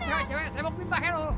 cwa cwa yang semuk bimbah ya nou